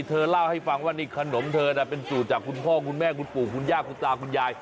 เธอเล่าให้ฟังว่านี่ขนมเธอน่ะเป็นสูตรจากคุณพ่อคุณแม่คุณปู่คุณย่าคุณตาคุณยาย